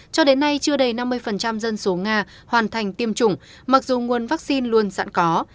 cho đến nay chưa đầy năm mươi dân số nga hoàn thành tiêm chủng mặc dù nguồn vaccine luôn sẵn có